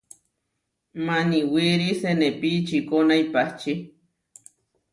Maniwíri senepí ičikóna ipahčí.